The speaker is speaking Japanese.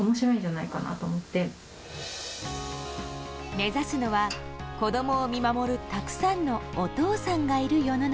目指すのは、子供を見守るたくさんのお父さんがいる世の中。